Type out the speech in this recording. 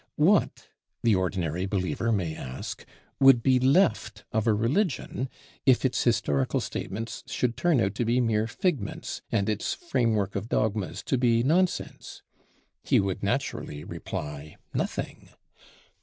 What, the ordinary believer may ask, would be left of a religion if its historical statements should turn out to be mere figments and its framework of dogmas to be nonsense? He would naturally reply, Nothing.